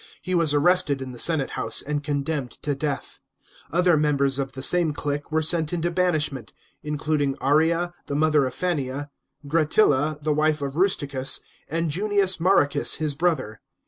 He was arrested in the senate house, and condemned to death. Other members of the same clique were sent into banishment, including Arria, the mother of Fannia, Gratilla, the wile of Rusticus, and Junius Mauricus, his brother.